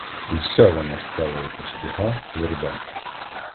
Вся вона стала якась туга, тверда.